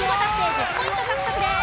１０ポイント獲得です。